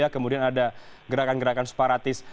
kemudian ada gerakan gerakan separatis